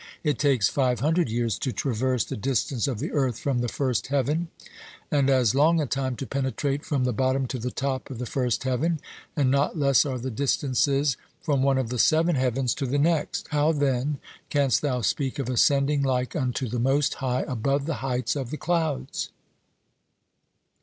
It takes five hundred years to traverse the distance of the earth from the first heaven, and as long a time to penetrate from the bottom to the top of the first heaven, and not less are the distances from one of the seven heavens to the next. How, then, canst thou speak of ascending like unto the Most High 'above the heights of the clouds'?"